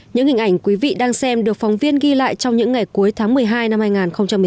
những hình ảnh quý vị đang xem được phóng viên ghi lại trong những ngày cuối tháng một mươi hai năm hai nghìn một mươi chín